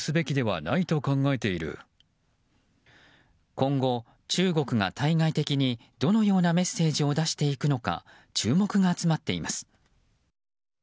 今後、中国が対外的にどのようなメッセージを出していくのか注目が集まっています。